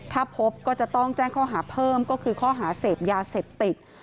ถ้าพบก็จะต้องแจ้งข้อหาเพิ่มก็คือข้อหาเสพยาเสพติด